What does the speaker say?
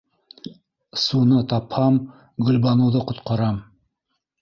Суны тапһам Гөлбаныуҙы ҡотҡарам!